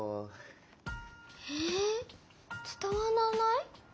えつたわらない？